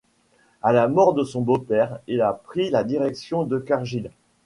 À la mort de son beau-père, il a pris la direction de Cargill.